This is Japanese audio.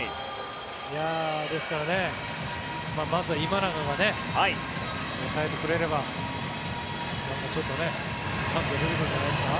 ですからまずは今永が抑えてくれればちょっとチャンスが出てくるんじゃないですか。